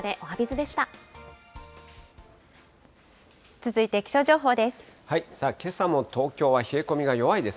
続いて気象情報です。